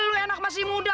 lo enak masih muda